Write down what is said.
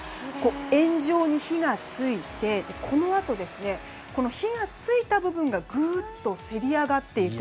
円状に火が付いて、このあと火が付いた部分がグッとせり上がっていく。